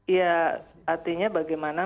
ya artinya bagaimana